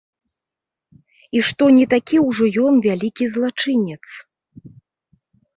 І што не такі ўжо ён вялікі злачынец.